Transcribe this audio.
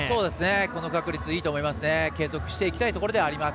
この確率いいと思います。